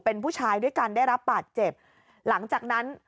เป็นผู้ชายด้วยกันได้รับบาดเจ็บหลังจากนั้น